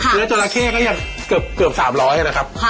เนื้อจราแค่ก็ยังเกือบ๓๐๐นะครับ